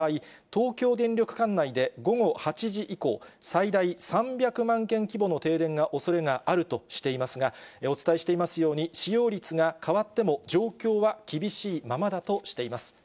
また東京電力は、節電が十分に進まない場合、東京電力管内で午後８時以降、最大３００万軒規模の停電のおそれがあるとしていますが、お伝えしていますように、使用率が変わっても状況は厳しいままだとしています。